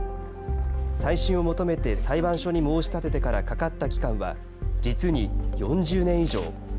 再審を求めて裁判所に申し立ててからかかった期間は実に４０年以上。